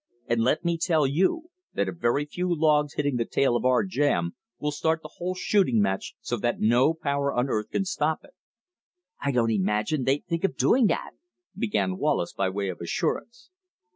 And let me tell you, that a very few logs hitting the tail of our jam will start the whole shooting match so that no power on earth can stop it." "I don't imagine they'd think of doing that " began Wallace by way of assurance.